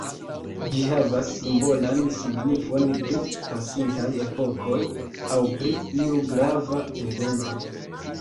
Ĝi havas simbolan signifon pri pasintaj epokoj aŭ pri iu grava evento.